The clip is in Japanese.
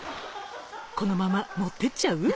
このまま乗ってっちゃう？